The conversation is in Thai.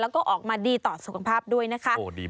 แล้วก็ออกมาดีต่อสุขภาพด้วยนะคะ